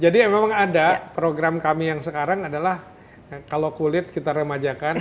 jadi memang ada program kami yang sekarang adalah kalau kulit kita remajakan